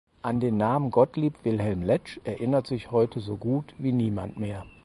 An den Namen Gottlieb Wilhelm Letsch erinnert sich heute so gut wie niemand mehr.